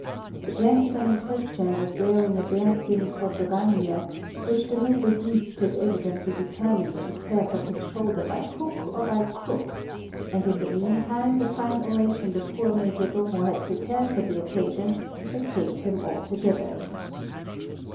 The gentleman in question was wearing a bear skin kaczagány, which the noble beast had evidently determined to tear from his shoulder by hook or by crook, and in the mean time the fine oration the poor Major Domo had prepared for the occasion escaped him altogether.